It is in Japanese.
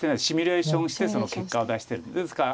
シミュレーションしてその結果を出してる。